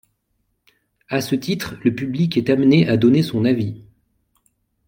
À ce titre, le public est amené à donner son avis.